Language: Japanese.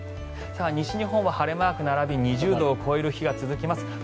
西日本は晴れマークが並び２０度を超える日が続きます。